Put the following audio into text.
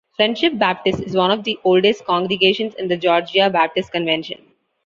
Friendship Baptist is one of the oldest congregations in the Georgia Baptist Convention.